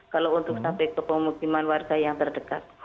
kalau untuk sampai ke pemukiman warga yang terdekat